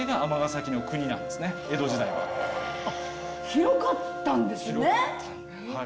広かったんですね。